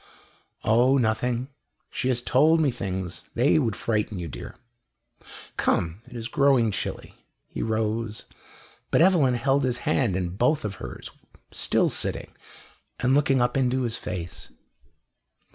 "Oh nothing. She has told me things they would frighten you, dear. Come, it is growing chilly." He rose, but Evelyn held his hand in both of hers, still sitting and looking up into his face.